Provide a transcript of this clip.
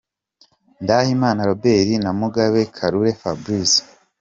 Ndatimana Robert na Mugheno Kakule Fabrice .